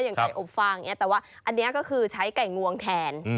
ไก่อบฟางอย่างนี้แต่ว่าอันนี้ก็คือใช้ไก่งวงแทน